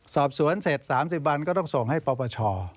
สอบสวนเสร็จ๓๐วันก็ต้องส่งให้ปปช